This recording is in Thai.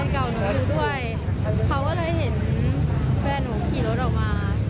เขาก็เลยเห็นแฟนหนูขี่รถออกมา